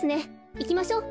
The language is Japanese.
いきましょう。